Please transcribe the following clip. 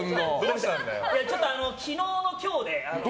ちょっと昨日の今日で何？